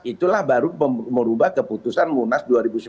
itulah baru merubah keputusan munas dua ribu sembilan belas